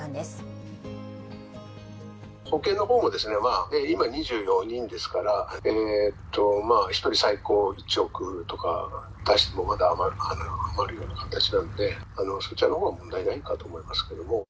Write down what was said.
保険のほうもですね、まあ、今、２４人ですから、えーっと、まあ、１人最高１億とか出しても、まだ余るような形なんで、そちらのほうは問題ないかと思いますけども。